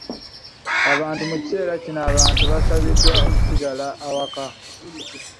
Abantu mu kiseera kino abantu basabiddwa okusigala awaka.